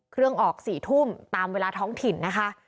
เครื่องออก๔ทุ่มตามเวลาท้องถิ่นนะคะ